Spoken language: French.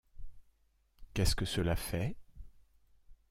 Qu’est-ce que cela fait ?